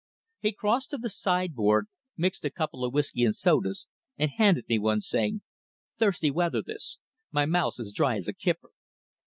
He crossed to the sideboard, mixed a couple of whisky and sodas, and handed me one, saying "Thirsty weather this. My mouth's as dry as a kipper."